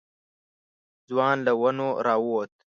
ځوان له ونو راووت.